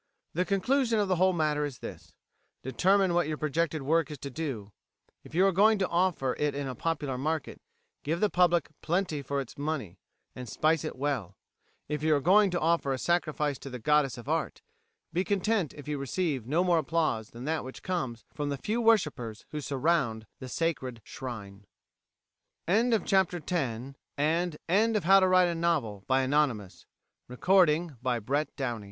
"[168:A] The conclusion of the whole matter is this: determine what your projected work is to do; if you are going to offer it in a popular market, give the public plenty for its money, and spice it well; if you are going to offer a sacrifice to the Goddess of Art, be content if you receive no more applause than that which comes from the few worshippers who surround the sacred shrine. FOOTNOTES: [167:A] "The Principles of Success in Literature," p. 10. [168:A] "The Principles of Success